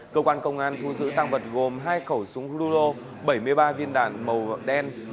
cơ quan công an thu giữ tăng vật gồm hai khẩu súng ludo bảy mươi ba viên đạn màu đen